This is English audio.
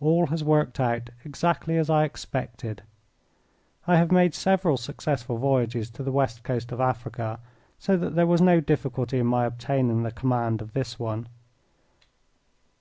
All has worked out exactly as I expected. I have made several successful voyages to the West Coast of Africa, so that there was no difficulty in my obtaining the command of this one.